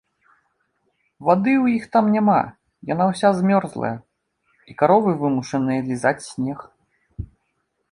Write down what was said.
Вады ў іх там няма, яна ўся змёрзлая, і каровы вымушаныя лізаць снег.